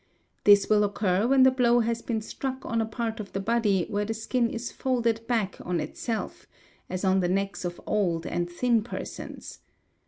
This will occur when — the blow has been struck on a part of the body where the skin is folded — back on itself, as on the necks of old and thin persons.